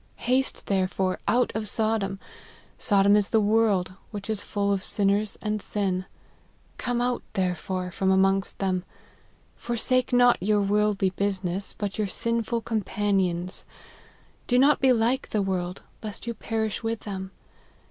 Haste, therefore, out of Sodom. Sodom is the world, which is full of sinners and sin. Come out, therefore, from amongst them ; forsake not your worldly business, but your sinful companions. Do not be like the world, lest you perish with them.